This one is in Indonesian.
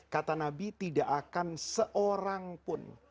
kata nabi tidak akan seorang pun